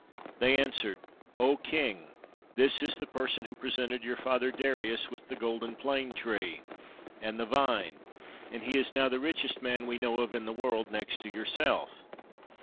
They answered, "O Kjng, this is the person who presented your father Darius with the golden plane tree and the vine; and he is now the richest man we know of in the world, next to yourself."